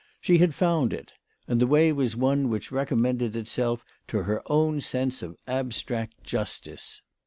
She had found it, and the way was one which recommended itself to her own sense of abstract justice.